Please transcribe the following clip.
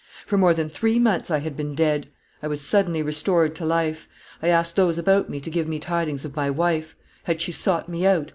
For more than three months I had been dead. I was suddenly restored to life. I asked those about me to give me tidings of my wife. Had she sought me out?